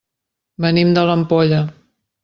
Venim de l'Ampolla.